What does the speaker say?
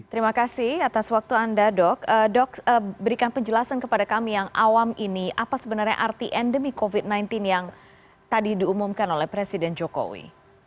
terima kasih atas waktu anda dok dok berikan penjelasan kepada kami yang awam ini apa sebenarnya arti endemi covid sembilan belas yang tadi diumumkan oleh presiden jokowi